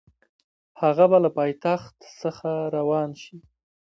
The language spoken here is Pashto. هغه به له پایتخت څخه روان شي.